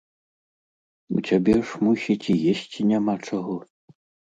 У цябе ж, мусіць, і есці няма чаго?